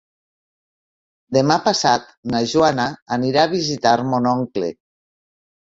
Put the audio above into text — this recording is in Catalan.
Demà passat na Joana anirà a visitar mon oncle.